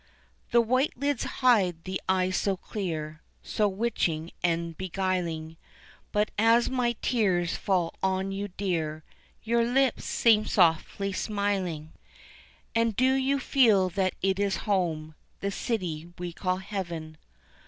The white lids hide the eyes so clear, So witching and beguiling, But as my tears fall on you dear Your lips seem softly smiling. And do you feel that it is home, The City we call heaven?